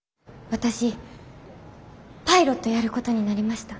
私パイロットやることになりました。